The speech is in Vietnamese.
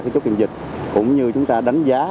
chốt kiểm dịch cũng như chúng ta đánh giá